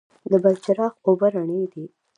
د بلچراغ اوبه رڼې دي